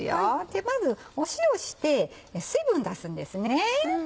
まず塩をして水分出すんですね。